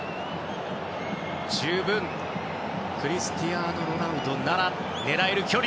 十分クリスティアーノ・ロナウドなら狙える距離！